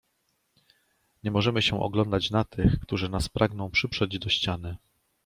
"Nie możemy się oglądać na tych, którzy nas pragną przyprzeć do ściany."